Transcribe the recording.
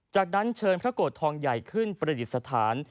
จากนั้นเชิญพระโกรธทองใหญ่ขึ้นประดิษฐาน